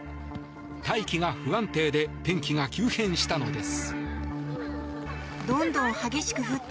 大気が不安定で天気が急変したのです。